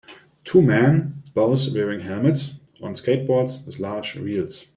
Two men, both wearing helmets, on skateboards with large wheels.